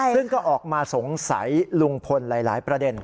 ซึ่งก็ออกมาสงสัยลุงพลหลายประเด็น